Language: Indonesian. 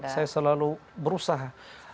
saya selalu berusaha